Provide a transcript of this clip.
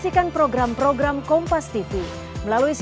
adik pelaku ini sudah tidak bisa menolak lagi